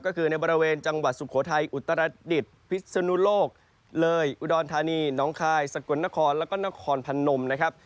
ก็คือในบริเวณจังหวัดสุโขทัยอุตรดิษฐ์พิศนุโลกเลยอุดรธานีน้องคายสกลนครแล้วก็นครพนมนะครับ